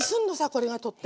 これがとっても。